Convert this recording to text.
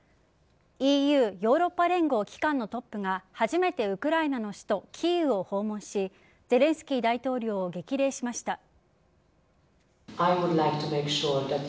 ＥＵ＝ヨーロッパ連合の機関のトップが初めてウクライナの首都キーウを訪問しゼレンスキー大統領を激励しました。